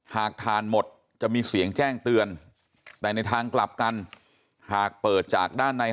หากทานหมดจะมีเสียงแจ้งเตือนแต่ในทางกลับกันหากเปิดจากด้านใน